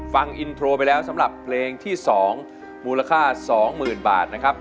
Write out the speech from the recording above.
ฟังอินโทรไปแล้วสำหรับเพลงที่๒มูลค่า๒๐๐๐บาทนะครับ